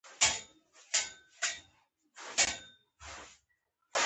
د بیلګې په توګه پنځه کیلو غنم په یوه کیلو اوسپنه.